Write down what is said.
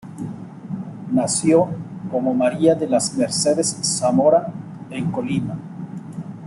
Nació como María de las Mercedes Zamora en Colima.